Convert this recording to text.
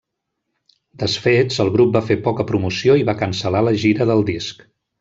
Desfets, el grup va fer poca promoció i va cancel·lar la gira del disc.